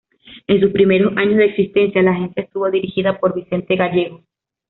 En sus primeros años de existencia la agencia estuvo dirigida por Vicente Gállego.